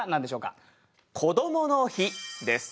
「こどもの日」です。